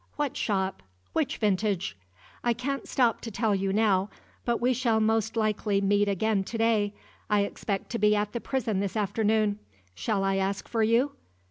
"What shop? Which vintage?" "I can't stop to tell you now; but we shall most likely meet again to day. I expect to be at the prison this afternoon. Shall I ask for you?